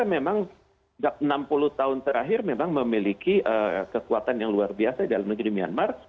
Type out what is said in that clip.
karena memang enam puluh tahun terakhir memang memiliki kekuatan yang luar biasa di dalam negeri myanmar